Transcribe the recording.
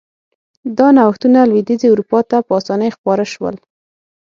دا نوښتونه لوېدیځې اروپا ته په اسانۍ خپاره شول.